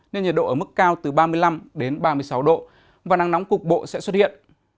nên nhiệt độ ở mức cao từ ba mươi năm đến ba mươi sáu độ và nắng nóng cục bộ sẽ xuất hiện